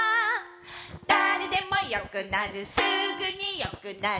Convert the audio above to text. だれでもよくなるすぐによくなる